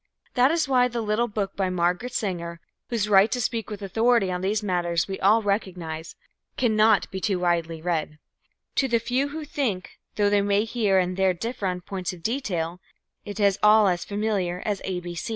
That is why the little book by Margaret Sanger, whose right to speak with authority on these matters we all recognize, cannot be too widely read. To the few who think, though they may here and there differ on points of detail, it is all as familiar as A.